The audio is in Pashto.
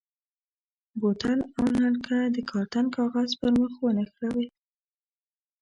بوتل او نلکه د کارتن کاغذ پر مخ ونښلوئ.